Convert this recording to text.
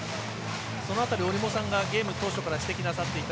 その辺り、折茂さんがゲーム当初から指摘なさっていた